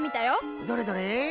どれどれ？